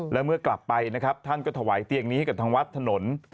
แล้วเมื่อกลับไปนะครับท่านก็ถวายเตียงนี้ให้กับทางวัดถนน